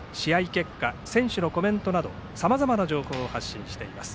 結果選手のコメントなどさまざまな情報を発信しています。